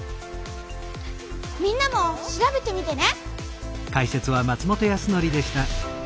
みんなも調べてみてね！